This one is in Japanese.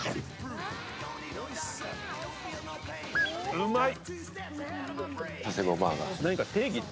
うまい！